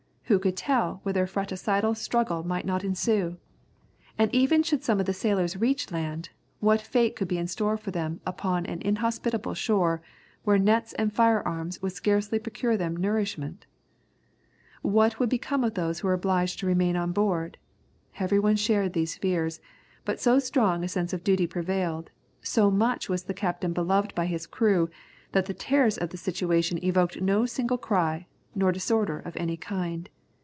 Who could tell whether a fratricidal struggle might not ensue? And even should some of the sailors reach land, what fate could be in store for them upon an inhospitable shore, where nets and fire arms would scarcely procure them nourishment? What would become of those who were obliged to remain on board? Every one shared these fears, but so strong a sense of duty prevailed, so much was the captain beloved by his crew, that the terrors of the situation evoked no single cry, no disorder of any kind.